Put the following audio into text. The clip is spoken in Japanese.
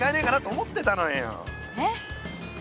えっ？